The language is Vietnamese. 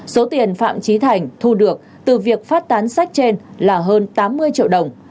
số tiền phạm trí thành thu được từ việc phát tán sách trên là hơn tám mươi triệu đồng